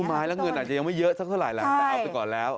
ไม้แล้วเงินอาจจะยังไม่เยอะสักเท่าไหร่แหละแต่เอาไปก่อนแล้ว